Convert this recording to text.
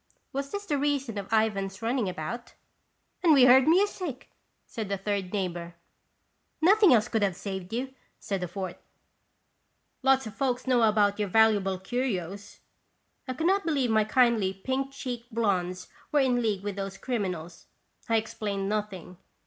Was this the reason of Ivan's running about ? "And we heard music! " said a third neigh bor. " Nothing else could have saved you," said a fourth; "lots of folks know about your valuable curios" I could not believe my kindly pink cheeked blondes were in league with those criminals. I explained nothing.